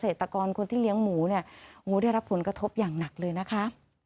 ตกรคนที่เลี้ยงหมูเนี่ยโอ้ได้รับผลกระทบอย่างหนักเลยนะคะ